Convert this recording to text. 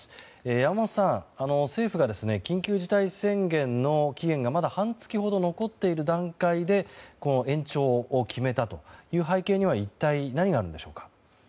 山本さん、政府が緊急事態宣言の期限がまだ半月ほど残っている段階で延長を決めたという背景には一体何があるんでしょうか？